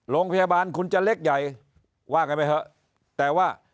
โรงพยาบาลคุณจะเล็กใหญ่ว่ากันไปเถอะแต่ว่า